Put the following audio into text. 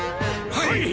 はい！